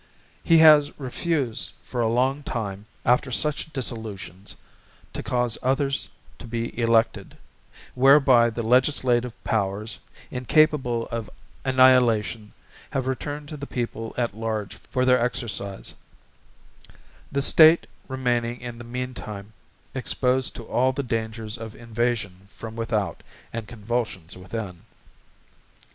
He has refused for a long time, after such dissolutions, to cause others to be elected; whereby the Legislative Powers, incapable of Annihilation, have returned to the People at large for their exercise; the State remaining in the mean time exposed to all the dangers of invasion from without, and convulsions within.